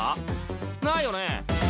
ないよね？